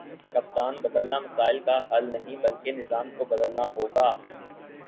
کپتان بدلنا مسائل کا حل نہیں بلکہ نظام کو بدلنا ہوگا